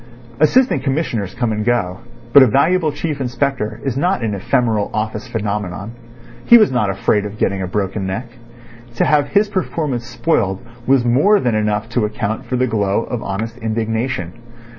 Assistant Commissioners come and go, but a valuable Chief Inspector is not an ephemeral office phenomenon. He was not afraid of getting a broken neck. To have his performance spoiled was more than enough to account for the glow of honest indignation.